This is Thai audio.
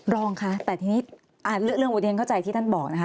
รองค่ะแต่ทีนี้อาจเลือกเรื่องหมดยังเข้าใจที่ท่านบอกนะคะ